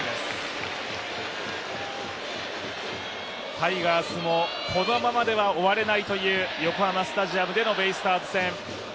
タイガースもこのままでは終われないという横浜スタジアムでのベイスターズ戦。